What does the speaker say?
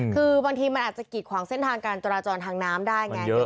คือบางทีมันอาจจะกิดขวางเส้นทางการจราจรทางน้ำได้ไง